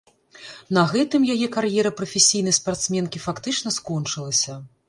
На гэтым яе кар'ера прафесійнай спартсменкі фактычна скончылася.